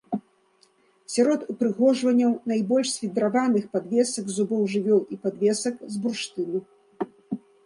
Сярод упрыгожанняў найбольш свідраваных падвесак з зубоў жывёл і падвесак з бурштыну.